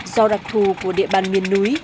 do đặc thù của địa bàn miền núi